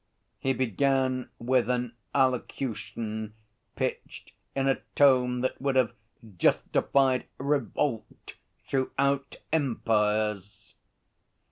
He began with an allocution pitched in a tone that would have justified revolt throughout empires.